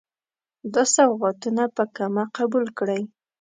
دا سوغاتونه په کمه قبول کړئ.